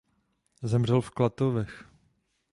Zemřel v Klatovech.